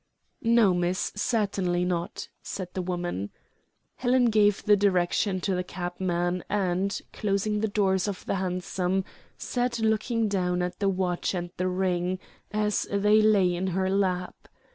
"No, miss, certainly not," said the woman. Helen gave the direction to the cabman and, closing the doors of the hansom, sat looking down at the watch and the ring, as they lay in her lap.